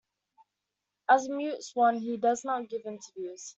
As a mute swan, he does not give interviews.